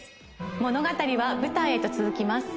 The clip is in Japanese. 物語は舞台へと続きます